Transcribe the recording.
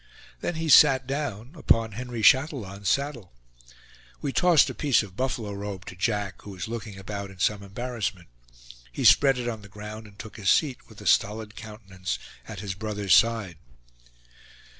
Then he sat down upon Henry Chatillon's saddle. We tossed a piece of buffalo robe to Jack, who was looking about in some embarrassment. He spread it on the ground, and took his seat, with a stolid countenance, at his brother's side.